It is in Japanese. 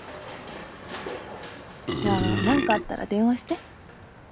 じゃあ何かあったら電話して。